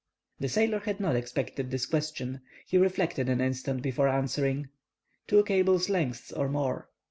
The sailor had not expected this question. He reflected an instant before answering:— "Two cables' lengths or more."